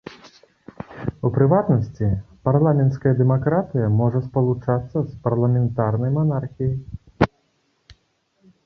У прыватнасці, парламенцкая дэмакратыя можа спалучацца з парламентарнай манархіяй.